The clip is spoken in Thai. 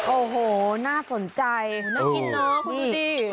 โอ้โหน่าสนใจน่ากินน้องดูดิ